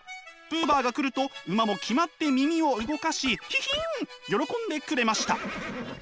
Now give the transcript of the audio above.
ブーバーが来ると馬も決まって耳を動かしヒヒン喜んでくれました。